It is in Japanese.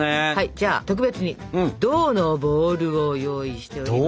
じゃあ特別に銅のボウルを用意しております。